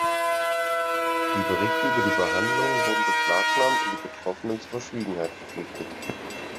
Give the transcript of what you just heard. Die Berichte über die Behandlungen wurden beschlagnahmt und die Betroffenen zur Verschwiegenheit verpflichtet.